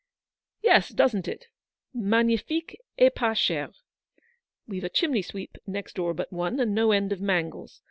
" Yes, doesn't it ? Magnifique et pas cher. We've a chimney sweep next door but one, and no end of mangles.